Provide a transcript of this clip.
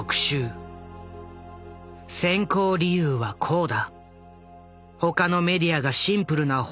選考理由はこうだ。